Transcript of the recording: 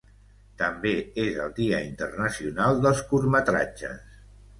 També és el dia internacional dels curtmetratges.